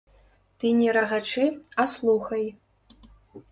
Ты не рагачы, а слухай.